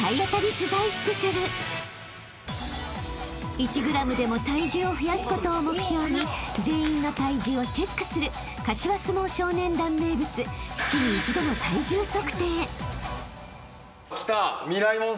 ［１ｇでも体重を増やすことを目標に全員の体重をチェックする柏相撲少年団名物月に一度の体重測定］